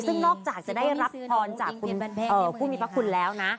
ซึ่งนอกจากจะได้รับพรจากผู้มีพระคุณแล้วนะ